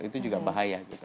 itu juga bahaya gitu